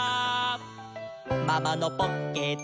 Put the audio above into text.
「ママのポッケだ」